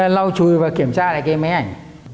chú đang lau chùi và kiểm tra cái máy ảnh